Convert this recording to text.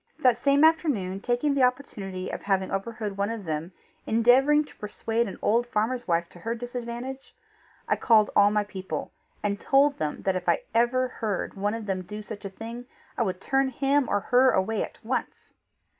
That same afternoon, taking the opportunity of having overheard one of them endeavouring to persuade an old farmer's wife to her disadvantage, I called all my people, and told them that if ever I heard one of them do such a thing, I would turn him or her away at once.